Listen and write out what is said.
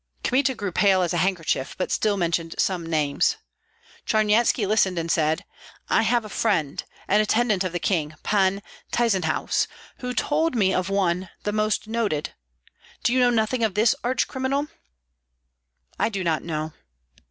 Kmita grew pale as a handkerchief, but still mentioned some names. Charnyetski listened and said, "I have a friend, an attendant of the king, Pan Tyzenhauz, who told me of one, the most noted. Do you know nothing of this arch criminal?" "I do not know."